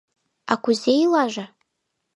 А кузе илаже?